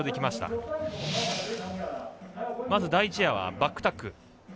まず第１エアはバックタック。